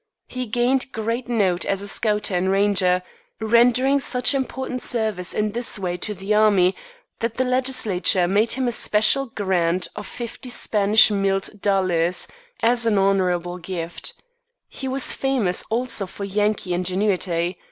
He gained great note as a scouter and ranger, rendering such important service in this way to the army that the legislature made him a special grant of "fifty Spanish milled dollars" as an honorable gift. He was famous also for Yankee ingenuity.